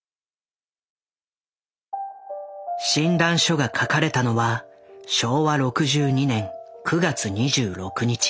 診断書が書かれたのは昭和６２年９月２６日。